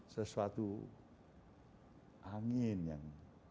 sesuatu angin yang